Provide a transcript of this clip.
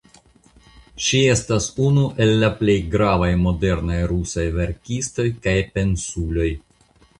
Ŝi estas unu el la plej gravaj modernaj rusaj verkistoj kaj pensuloj.